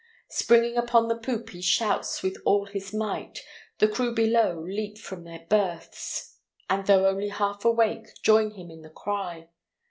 Springing upon the poop he shouts with all his might, the crew below leap from their berths, and though only half awake join him in the cry.